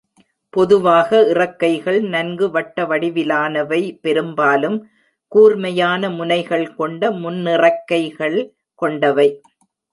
பொதுவாக இறக்கைகள் நன்கு வட்ட வடிவிலானவை பெரும்பாலும் கூர்மையான முனைகள் கொண்ட முன்னிறக்கைகள் கொண்டவை.